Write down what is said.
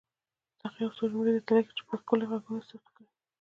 دغه يو څو جملې درته ليکم چي په ښکلي ږغونو يې ثبت کړئ.